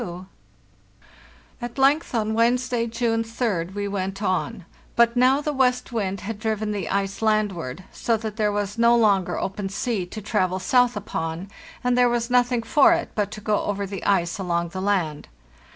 THE JOURNEY SOUTHWARD 501 At length, on Wednesday, June 3d, we went on; but now the west wind had driven the ice landward, so that there was no longer open sea to travel south upon, and there was nothing for it but to go over the ice along the land.